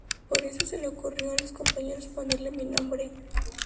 Por eso se le ocurrió a los compañeros ponerle mi nombre".